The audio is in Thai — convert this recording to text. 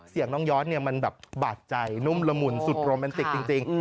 เสียงน้องยอดมันแบบบาดใจนุ่มละหมุนสุดโรแมนติกจริง